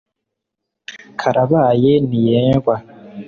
karabaye ntiyendwa